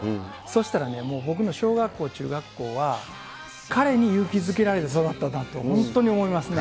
そしたらね、僕の小学校、中学校は彼に勇気づけられて育ったなと本当に思いますね。